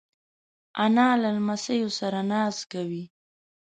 انا له لمسیو سره ناز کوي